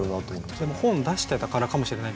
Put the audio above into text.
それも本出してたからかもしれないですね。